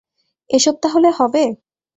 এসব তাহলে হবে!